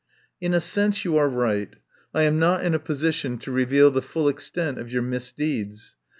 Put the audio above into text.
"In a sense you are right. I am not in a position to reveal the full extent of your mis deeds.